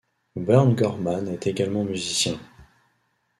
Burn Gorman est également musicien.